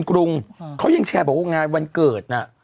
กรุงเขายังแชร์บอกว่างานวันเกิดน่ะ